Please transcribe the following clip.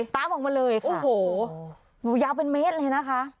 ตามออกมาเลยโอ้โหยาวเป็นเมตรเลยนะคะ